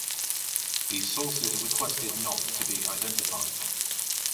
These sources requested not to be identified.